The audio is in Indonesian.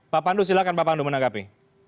pak pandu silahkan pak pandu menanggapi